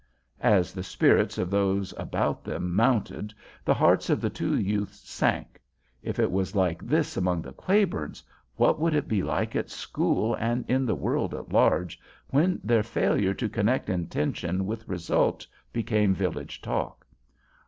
As the spirits of those about them mounted, the hearts of the two youths sank—if it was like this among the Claibornes, what would it be at school and in the world at large when their failure to connect intention with result became village talk?